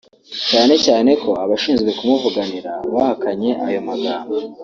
cyane cyane ko abashinzwe kumuvuganira bahakanye ayo magambo